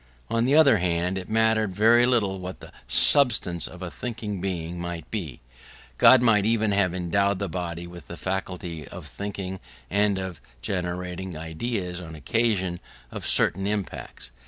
On the other hand it mattered very little what the substance of a thinking being might be: God might even have endowed the body with the faculty of thinking, and of generating ideas on occasion of certain impacts.